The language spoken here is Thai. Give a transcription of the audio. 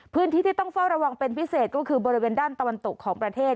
พื้นที่ที่ต้องเฝ้าระวังเป็นพิเศษก็คือบริเวณด้านตะวันตกของประเทศ